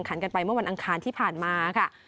กันไปเมื่อวันอังคารที่ผ่านมาค่ะ